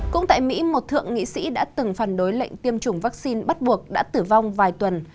cũng tại mỹ một thượng nghị sĩ đã từng phản đối lệnh tiêm chủng vaccine bắt buộc đã tử vong vài tuần